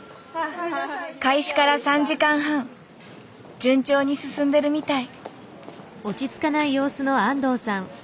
開始から３時間半順調に進んでるみたい。